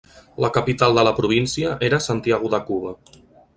La capital de la província era Santiago de Cuba.